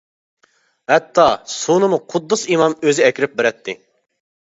ھەتتا سۇنىمۇ قۇددۇس ئىمام ئۆزى ئەكىرىپ بېرەتتى.